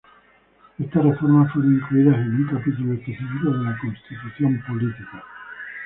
Estas reformas fueron incluidas en un capítulo específico de la Constitución Política.